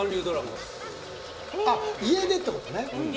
あっ家でってことね。